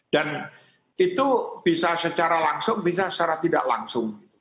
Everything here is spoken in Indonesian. dan itu bisa secara langsung bisa secara tidak langsung